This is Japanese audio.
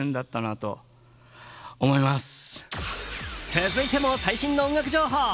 続いても最新の音楽情報。